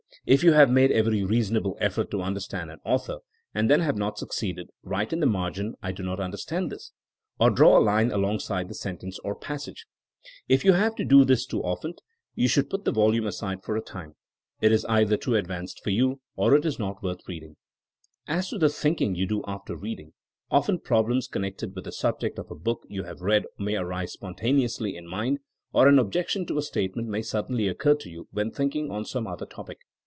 If you have made every rea sonable effort to understand an author and then have not succeeded, write in the margin ^*I do not understand this,'' or draw a line alongside the sentence or passage. If you have to do this THINKING AS A SCIENCE 179 too often you should put the volume aside for a time. It is either too advanced for you or it is not worth reading. As to the thinking you do after reading. Often problems connected with the subject of a book you have read may arise spontaneously in mind, or an objection to a statement may sud denly occur to you when thinking on some other topic.